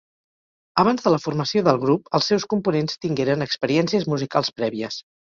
Abans de la formació del grup, els seus components tingueren experiències musicals prèvies.